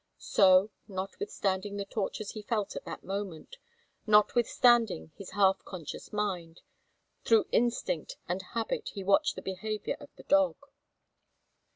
So, notwithstanding the tortures he felt at that moment, notwithstanding his half conscious mind, through instinct and habit he watched the behavior of the dog.